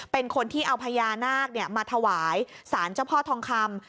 เป็นคนที่เอาพญานาคมาถวายสารเจ้าพ่อทองคำ